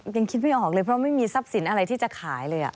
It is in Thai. ยังคิดไม่ออกเลยเพราะไม่มีทรัพย์สินอะไรที่จะขายเลย